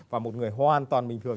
và một người hoàn toàn bình thường